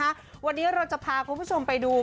วันนี้เราจะพาคุณผู้ชมไปดู